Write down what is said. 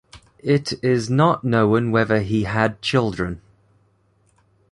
It is not known whether he had children.